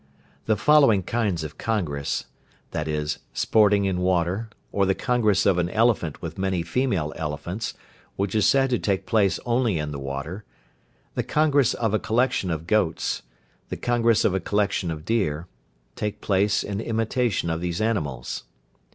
The following kinds of congress, viz., sporting in water, or the congress of an elephant with many female elephants, which is said to take place only in the water, the congress of a collection of goats, the congress of a collection of deer, take place in imitation of these animals.